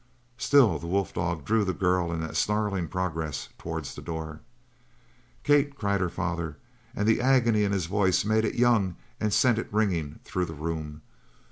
Still the wolf dog drew the girl in that snarling progress towards the door. "Kate!" cried her father, and the agony in his voice made it young and sent it ringing through the room.